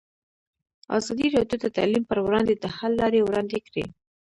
ازادي راډیو د تعلیم پر وړاندې د حل لارې وړاندې کړي.